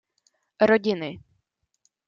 Rodiny.